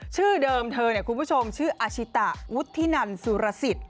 ชื่อเดิมเธอเนี่ยคุณผู้ชมชื่ออาชิตะวุฒินันสุรสิทธิ์